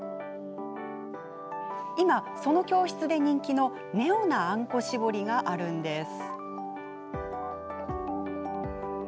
今、その教室で人気のネオなあんこ絞りがあるんです。